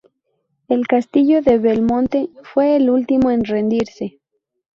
El castillo de "Belmonte" fue el último en rendirse.